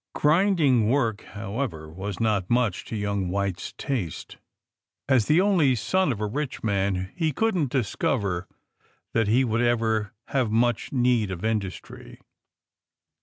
Grinding work, however, was not much to young "White's taste. As the only son of a rich man he couldn't discover that he would ever have much need of industry.